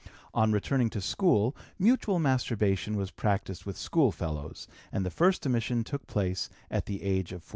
On returning to school mutual masturbation was practised with schoolfellows, and the first emission took place at the age of 14.